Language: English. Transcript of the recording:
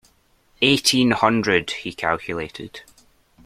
Eighteen hundred, he calculated.